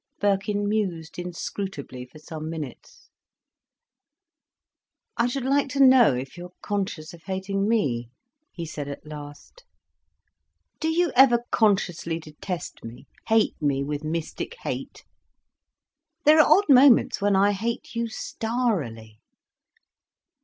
Birkin mused inscrutably for some minutes. "I should like to know if you are conscious of hating me," he said at last. "Do you ever consciously detest me—hate me with mystic hate? There are odd moments when I hate you starrily."